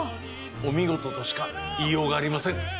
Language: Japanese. お見事としか言いようがありません。